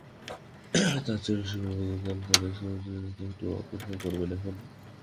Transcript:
তার চেয়ে রসিকবাবু, তেতালার ঘরে চলুন– শ্রীশ এখানে একটু অপেক্ষা করবেন এখন।